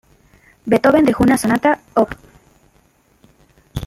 Beethoven dejó una sonata, op.